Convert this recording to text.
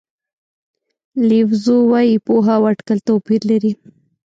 لیو زو وایي پوهه او اټکل توپیر لري.